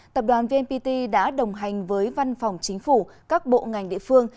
tập đoàn vnpt đã đồng hành với văn phòng chính phủ các bộ ngành địa phương